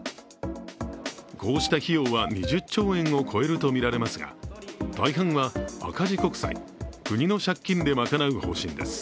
こうした費用は２０兆円を超えるとみられますが、大半は赤字国債、国の借金で賄う方針です。